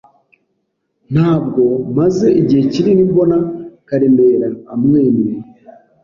Ntabwo maze igihe kinini mbona Karemera amwenyura.